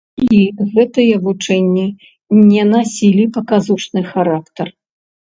І гэтыя вучэнні не насілі паказушны характар.